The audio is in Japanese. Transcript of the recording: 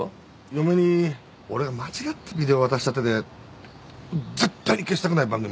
嫁に俺が間違ったビデオ渡しちゃってて絶対に消したくない番組が消えてて。